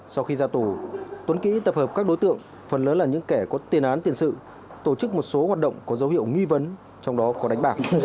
sau khi ra tù tuấn kỹ tập hợp các đối tượng phần lớn là những kẻ có tiền án tiền sự tổ chức một số hoạt động có dấu hiệu nghi vấn trong đó có đánh bạc